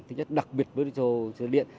rất là đặc biệt cho xe điện